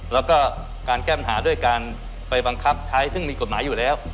แล้วก็การแก้ปัญหาด้วยการไปบังคับใช้ซึ่งมีกฎหมายอยู่แล้ว